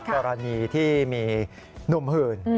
กรณีที่มีหนุ่มหื่น